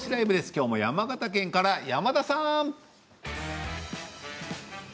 今日も山形県から山田さん！